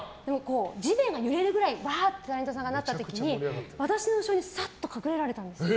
地面が揺れるぐらい、バーってタレントさんがなった時に私の後ろにサッと隠れられたんです。